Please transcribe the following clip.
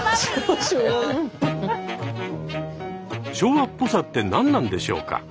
昭和っぽさって何なんでしょうか？